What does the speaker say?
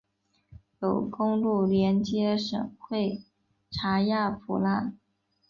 有公路连接省会查亚普拉。